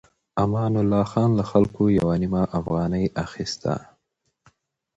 امان الله خان له خلکو يوه نيمه افغانۍ اخيسته.